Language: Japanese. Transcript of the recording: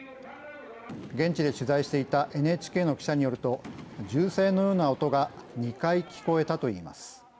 現地で取材していたＮＨＫの記者によると銃声のような音が２回聞こえたといいます。